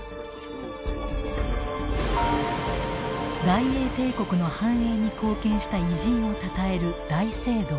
大英帝国の繁栄に貢献した偉人をたたえる大聖堂。